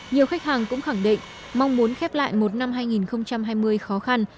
nhiều khách hàng cũng khẳng định mong muốn khép lại một năm hai nghìn hai mươi khó khăn